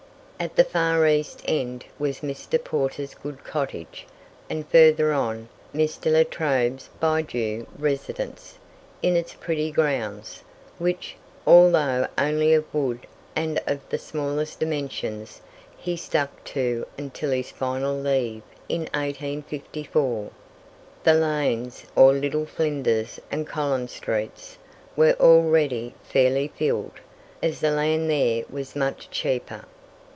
At the far east end was Mr. Porter's good cottage, and further on, Mr. La Trobe's bijou residence, in its pretty grounds, which, although only of wood and of the smallest dimensions, he stuck to until his final leave in 1854. The lanes, or Little Flinders and Collins streets, were already fairly filled, as the land there was much cheaper.